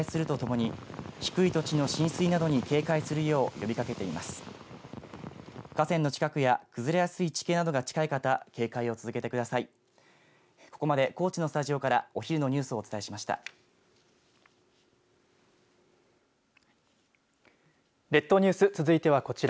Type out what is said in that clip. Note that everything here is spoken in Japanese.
ここまで高知のスタジオからお昼のニュースをお伝えしました。